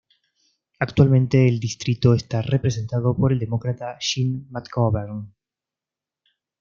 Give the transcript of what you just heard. Actualmente el distrito está representado por el Demócrata Jim McGovern.